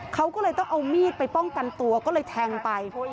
เขาก็เลยต้องเอามีดไปป้องกันตัวก็เลยแทงไป